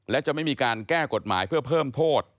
และจะไม่มีการแก้กฎหมายเพื่อเพิ่มโทษ